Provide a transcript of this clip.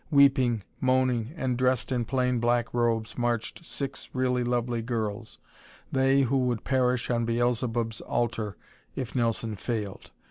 Weeping, moaning and dressed in plain black robes marched six really lovely girls they who would perish on Beelzebub's altar if Nelson failed.